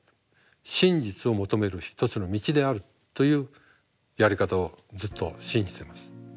真実を求める一つの道であるというやり方をずっと信じてます。